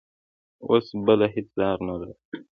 اوس بله هېڅ لار نه لرو.